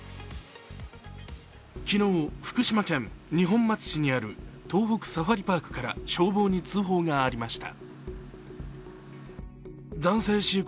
昨日、福島県二本松市にある東北サファリパークから消防に通報がありました。